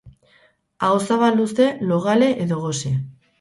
Ahozabal luze, logale edo gose.